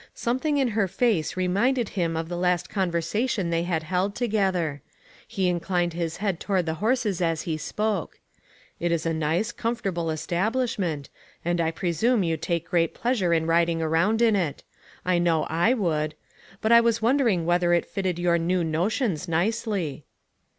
Something in her face reminded him of the last conversation they had held together. He inclined his head toward the horses as he spoke. " It is a nice, comfort able establishment, and I presume you take great pleasure in riding around in it : I know I should ; but I was wondering whether it fitted your new notions nicely."